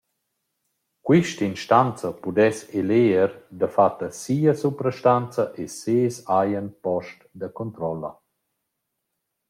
Quist’instanza pudess eleger dafatta «sia» suprastanza e seis agen post da controlla.